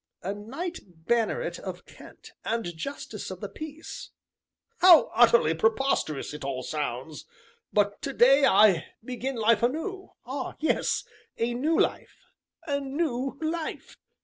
A knight banneret of Kent, and Justice of the Peace! How utterly preposterous it all sounds! But to day I begin life anew, ah, yes, a new life, a new life!